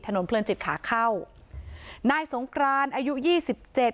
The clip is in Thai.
เพลินจิตขาเข้านายสงกรานอายุยี่สิบเจ็ด